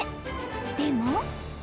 でも。